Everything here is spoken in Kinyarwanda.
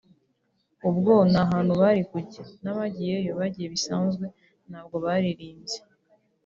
ubwo nta hantu bari kujya n’abagiyeyo bagiye bisanzwe ntabwo baririmbye